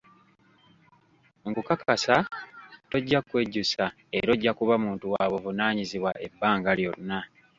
Nkukakasa tojja kwejjusa era ojja kuba muntu wa buvunaanyizibwa ebbanga lyonna.